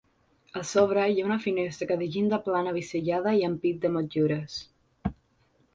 A sobre hi ha una finestra de llinda plana bisellada i ampit de motllures.